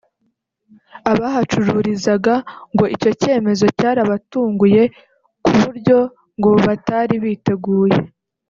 Abahacururizaga ngo icyo cyemezo cyarabatunguye ku buryo ngo batari biteguye